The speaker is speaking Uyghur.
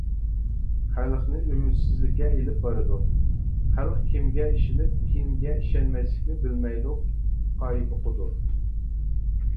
خەلقنى ئۈمىدسىزلىككە ئېلىپ بارىدۇ، خەلق كىمگە ئىشىنىپ، كىمگە ئىشەنمەسلىكنى بىلمەيدۇ، قايمۇقىدۇ.